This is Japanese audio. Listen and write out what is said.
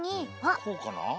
こうかな？